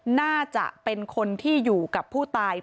น่าจะเป็นคนที่อยู่กับผู้ตาย